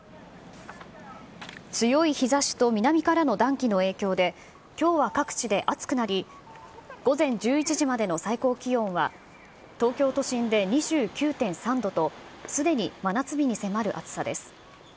強い日ざしと南からの暖気の影響で、きょうは各地で暑くなり、午前１１時までの最高気温は、東京都心で２９．３度と、すでに真夏日に迫る暑さです。